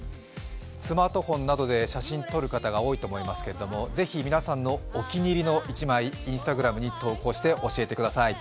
スマートフォンで写真を撮る方も多いと思いますがぜひ皆さんのお気に入りの１枚、Ｉｎｓｔａｇｒａｍに投稿して教えてください。